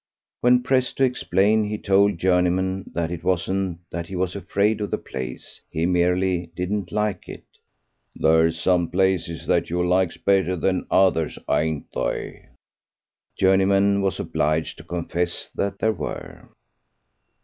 When pressed to explain, he told Journeyman that it wasn't that he was afraid of the place, he merely didn't like it. "There's some places that you likes better than others, ain't they?" Journeyman was obliged to confess that there were.